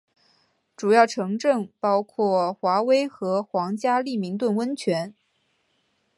主要城镇包括华威和皇家利明顿温泉。